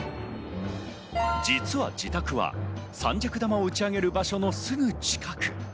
実は自宅は三尺玉を打ち上げる場所のすぐ近く。